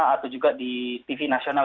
atau juga di tv nasional